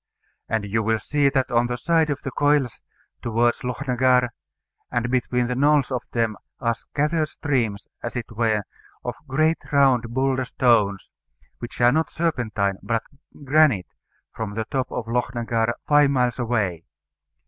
And you will see that on the side of the Coiles towards Lochnagar, and between the knolls of them, are scattered streams, as it were, of great round boulder stones which are not serpentine, but granite from the top of Lochnagar, five miles away.